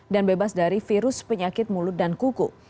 dan bebas dari virus penyakit mulut dan kuku